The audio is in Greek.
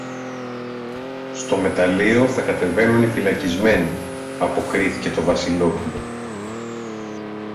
Στο μεταλλείο θα κατεβαίνουν οι φυλακισμένοι, αποκρίθηκε το Βασιλόπουλο.